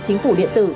chính phủ điện tử